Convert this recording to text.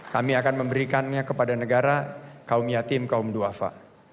kami akan memberikannya kepada negara kaum yatim kaum duafa